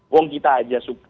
uang kita aja suka